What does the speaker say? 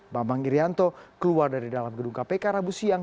bambang irianto keluar dari dalam gedung kpk rabu siang